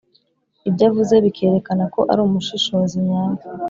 ibyo avuze bikerekana ko ari umushishozi nyawe.